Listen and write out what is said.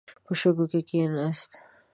په شګو کې کښیناست.